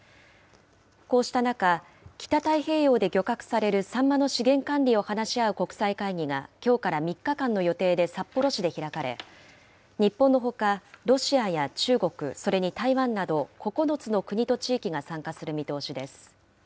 こうした中、北太平洋で漁獲されるサンマの資源管理を話し合う国際会議がきょうから３日間の予定で札幌市で開かれ、日本のほか、ロシアや中国、それに台湾など、９つの国と地域が参加する見通しです。